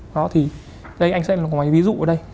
đó thì đây anh sẽ là một máy ví dụ ở đây